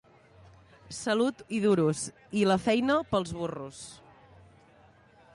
Salut i duros, i la feina pels burros.